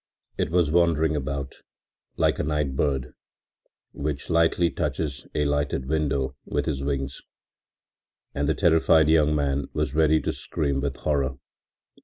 It was wandering about, like a night bird which lightly touches a lighted window with his wings, and the terrified young man was ready to scream with horror.